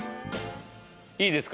いいですか？